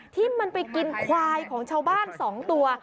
ที่มันไปกินไขวของชาวบ้านสองตัว